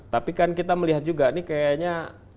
tapi kan kita melihat juga ini kayaknya